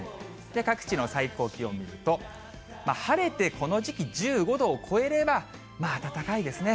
各地の最高気温見ると、晴れてこの時期１５度を超えれば、まあ暖かいですね。